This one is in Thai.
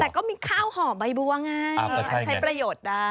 แต่ก็มีข้าวห่อใบบัวไงฉันใช้ประโยชน์ได้